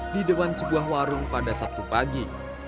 di dewan ceguah warung pada sabtu pagi